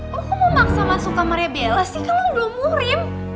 roman kok lo maksa masuk kamarnya bella sih kan lo belum murim